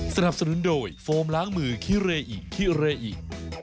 สนับสนุนโดยโฟมล้างมือคิเรอิคิเรอิ